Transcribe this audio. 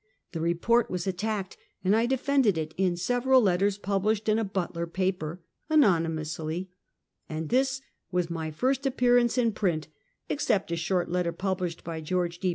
The report was attacked, and I defended it in several letters published in a Butler paper — anonymously — and this was my first appearance in print, except a short letter published by George D.